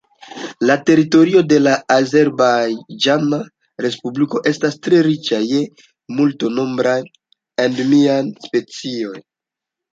La teritorio de la Azerbajĝana Respubliko estas tre riĉa je multnombraj endemiaj specioj.